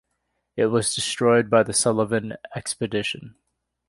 It was destroyed by the Sullivan Expedition.